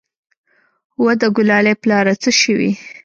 وه د ګلالي پلاره څه سوې.